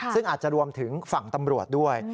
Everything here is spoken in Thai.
ซึ่งอาจจะรวมถึงฝั่งตำรวจด้วย